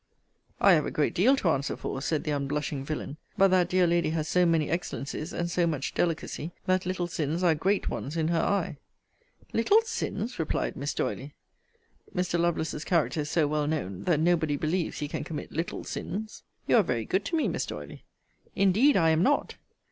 I have a great deal to answer for, said the unblushing villain: but that dear lady has so many excellencies, and so much delicacy, that little sins are great ones in her eye. Little sins! replied Miss D'Oily: Mr. Lovelace's character is so well known, that nobody believes he can commit little sins. You are very good to me, Miss D'Oily. Indeed I am not.